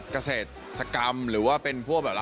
ก็พร้อมพอสมควรเลยฮะ